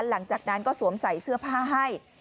หลังจากนั้นก็สวมใส่เสื้อผ้าให้